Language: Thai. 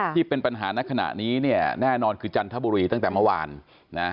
ที่เป็นปัญหาในขณะนี้เนี่ยแน่นอนคือจันทบุรีตั้งแต่เมื่อวานนะ